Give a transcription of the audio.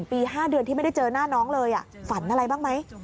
ปี๕เดือนที่ไม่ได้เจอหน้าน้องเลยฝันอะไรบ้างไหม